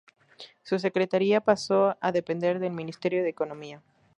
Su Secretaría pasó a depender del Ministerio de Economía.